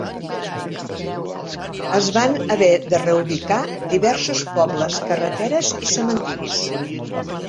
Es van haver de reubicar diversos pobles, carreteres i cementiris.